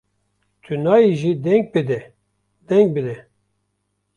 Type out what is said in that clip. Tu nayê jî deng bide! deng bide!